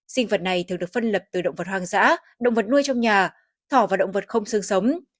sinh vật này thường được phân lập từ động vật hoang dã động vật nuôi trong nhà thỏ và động vật không sương sống